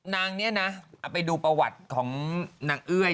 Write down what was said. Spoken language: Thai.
นางนี้นะไปดูประวัติของนางเอ้ย